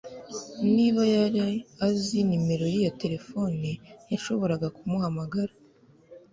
Niba yari azi nimero ye ya terefone yashoboraga kumuhamagara